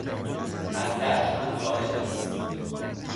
از درک من خارج است.